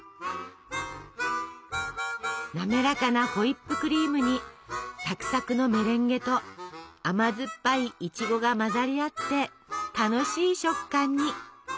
なめらかなホイップクリームにサクサクのメレンゲと甘酸っぱいいちごが混ざり合って楽しい食感に！